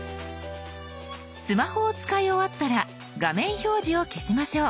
スマホを使い終わったら画面表示を消しましょう。